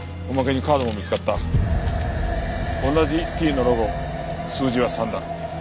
同じＴのロゴ数字は３だ。